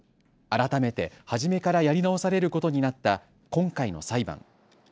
改めて、初めからやり直されることになった今回の裁判。